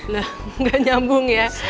lah gak nyambung ya